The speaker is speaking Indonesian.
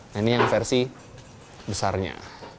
nah ini yang versi besarnya